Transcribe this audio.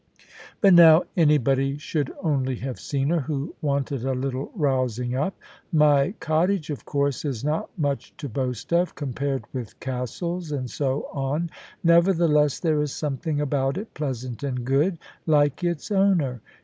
But now anybody should only have seen her, who wanted a little rousing up. My cottage, of course, is not much to boast of, compared with castles, and so on; nevertheless there is something about it pleasant and good, like its owner.